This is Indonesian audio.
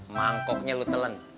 mangkoknya lu telan